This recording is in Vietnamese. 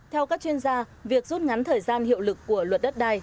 theo các chuyên gia việc rút ngắn thời gian hiệu lực của luật đất đai